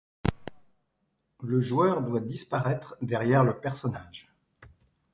Le joueur doit disparaitre derrière le personnage.